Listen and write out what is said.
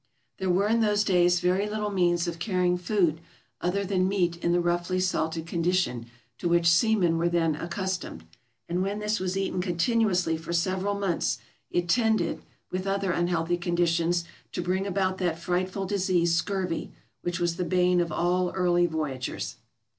There were in those days very little means of carrying food other than meat in the roughly salted condition to which seamen were then accustomed; and when this was eaten continuously for several months it tended, with other unhealthy conditions, to bring MISCELLANEOUS 447 about that frightful disease scurvy, which was the bane of all early voyagers.